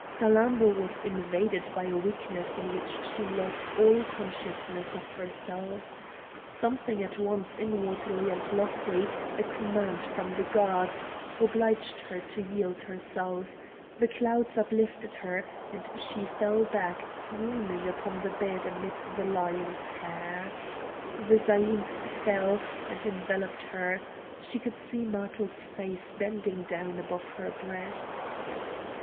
Salammbô was invaded by a weakness in which she lost all consciousness of herself. Something at once inward and lofty, a command from the gods, obliged her to yield herself; clouds uplifted her, and she fell back swooning upon the bed amid the lion's hair. The zaïmph fell, and enveloped her; she could see Matho's face bending down above her breast.